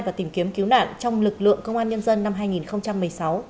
và tìm kiếm cứu nạn trong lực lượng công an nhân dân năm hai nghìn một mươi sáu